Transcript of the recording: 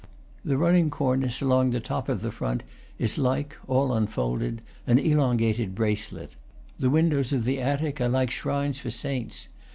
The run ning cornice along the top of the front is like all un folded, an elongated, bracelet. The windows of the attic are like shrines for saints.